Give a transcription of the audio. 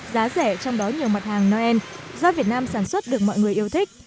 giá rẻ trong đó nhiều mặt hàng noel do việt nam sản xuất được mọi người yêu thích